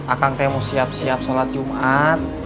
akang teh mau siap siap sholat jumat